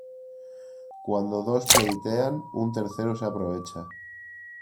Cuando dos pleitean un tercero se aprovecha.